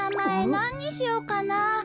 なににしようかな。